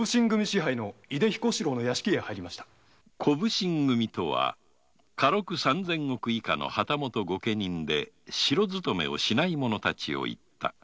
「小普請組」とは家禄三千石以下の旗本ご家人で城勤めをしない者たちを言った。